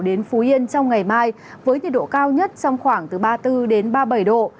đến phú yên trong ngày mai với nhiệt độ cao nhất trong khoảng từ ba mươi bốn đến ba mươi bảy độ